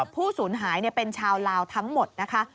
ผู้สูญหายเป็นชาวลาวทั้งหมดนะคะ